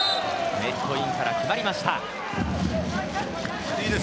ネットインから決まりました。